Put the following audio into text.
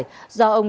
do ông trần hương